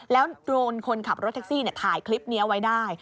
แล้วโดนคนขับรถแท็กซี่ถ่ายคลิปนี้เอาไว้ได้